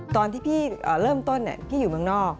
ตอนที่พี่เริ่มต้นพี่อยู่เมืองนอก